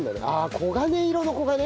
黄金色の「こがね」？